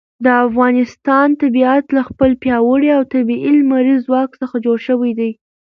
د افغانستان طبیعت له خپل پیاوړي او طبیعي لمریز ځواک څخه جوړ شوی دی.